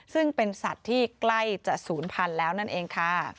ซึ่งเป็นสัตว์ที่ใกล้จะ๐๐๐๐แล้วนั่นเองค่ะ